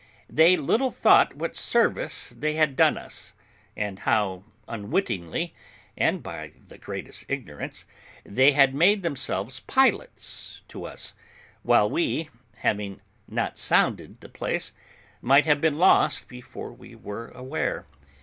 They little thought what service they had done us, and how unwittingly, and by the greatest ignorance, they had made themselves pilots to us, while we, having not sounded the place, might have been lost before we were aware.